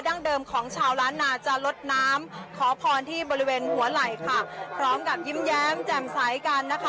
เดิมของชาวล้านนาจะลดน้ำขอพรที่บริเวณหัวไหล่ค่ะพร้อมกับยิ้มแย้มแจ่มใสกันนะคะ